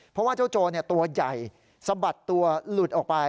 เพราะว่าเจ้าโจรตัวใหญ่สะบัดตัวหลุดออกไป